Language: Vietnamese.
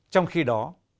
trong khi đó